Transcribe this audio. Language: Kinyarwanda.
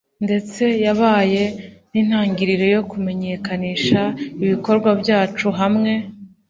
ndetse yabaye n’intangiro yo kumenyekanisha ibikorwa byacu hamwe